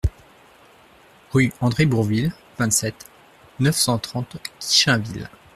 Rue André Bourvil, vingt-sept, neuf cent trente Guichainville